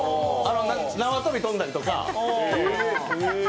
縄跳び跳んだりとか。